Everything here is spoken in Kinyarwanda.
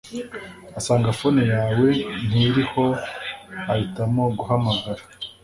asanga phone yawe ntiriho ahitamo guhamagara